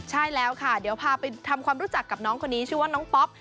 ใช่แล้วค่ะเดี๋ยวพาไปทำความรู้จักกับน้องคนนี้ชื่อว่าน้องป๊อป